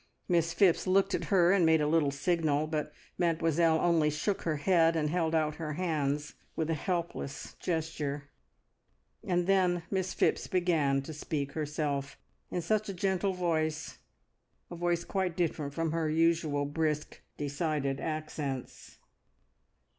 Miss Phipps looked at her and made a little signal, but Mademoiselle only shook her head, and held out her hands with a helpless gesture, and then Miss Phipps began to speak herself, in such a gentle voice a voice quite different from her usual brisk, decided accents.